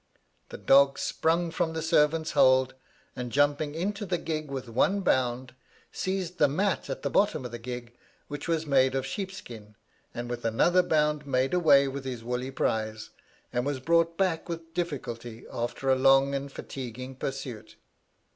The dog sprung from the servant's hold, and jumping into the gig with one bound, seized the mat at the bottom of the gig, which was made of sheepskin, and with another bound made away with his woolly prize, and was brought back with difficulty, after a long and fatiguing pursuit."